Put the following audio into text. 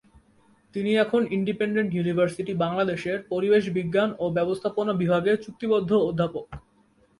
তিনি এখন Independent University, বাংলাদেশের পরিবেশ বিজ্ঞান ও ব্যবস্থাপনা বিভাগে চুক্তিবদ্ধ অধ্যাপক।